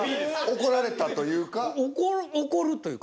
怒られたというか。